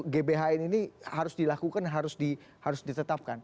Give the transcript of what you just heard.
sesuatu gph ini harus dilakukan harus ditetapkan